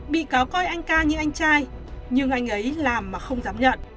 bị cáo coi anh ca như anh trai nhưng anh ấy làm mà không dám nhận